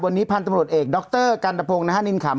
วันนี้พันธุ์ตำรวจเอกดรกันตะพงศ์นะฮะนินขำ